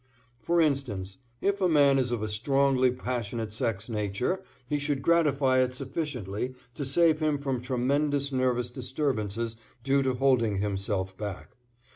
For instance, if a man is of a strongly passionate sex nature he should gratify it sufficiently to save him from tremendous nervous disturbances due to holding himself back.